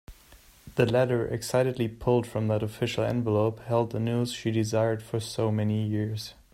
The letter excitedly pulled from that official envelope held the news she desired for so many years.